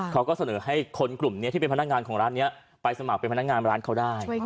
เขาก็เสนอให้คนกลุ่มนี้ที่เป็นพนักงานของร้านนี้ไปสมัครเป็นพนักงานร้านเขาได้